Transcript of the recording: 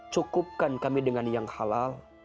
cukupkan kami dengan yang halal